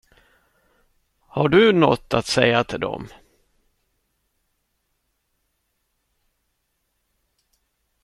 Har du något att säga till dem?